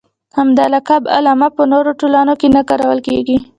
همدا لقب علامه په نورو ټولنو کې نه کارول کېږي.